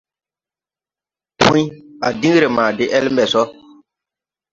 Pũy: À diŋ ree ma de ele mbɛ so.